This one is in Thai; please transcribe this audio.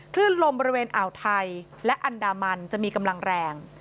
คลื่นลมบริเวณอ่าวไทยและอันดามันจะมีกำลังแรง